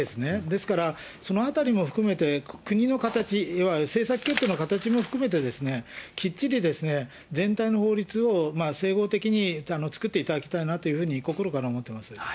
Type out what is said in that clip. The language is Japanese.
ですから、そのあたりも含めて、国の形、政策決定の形も含めてですね、きっちり全体の法律を整合的に作っていただきたいなというふうに、心から思っています。